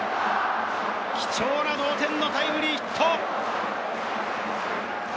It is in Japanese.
貴重な同点タイムリーヒット！